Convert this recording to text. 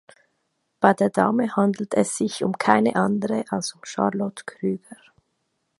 Bei der Dame handelt es sich um keine andere als um Charlotte Krüger.